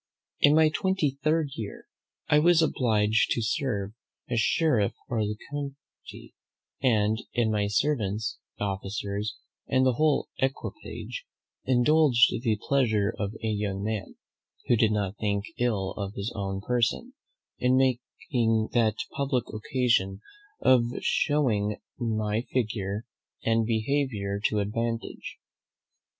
In my twenty third year I was obliged to serve as sheriff of the county; and in my servants, officers, and whole equipage, indulged the pleasure of a young man (who did not think ill of his own person) in taking that public occasion of shewing my figure and behaviour to advantage.